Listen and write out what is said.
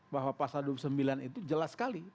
bahwa pasal dua puluh sembilan itu jelas sekali